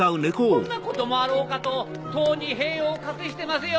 こんなこともあろうかと塔に兵を隠してますよ！